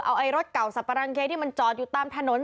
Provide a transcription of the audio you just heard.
เอาไอ้รถเก่าสับปะรังเคที่มันจอดอยู่ตามถนน